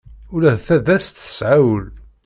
Ula d tadast tesɛa ul.